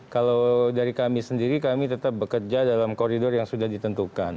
kalau dari kami sendiri kami tetap bekerja dalam koridor yang sudah ditentukan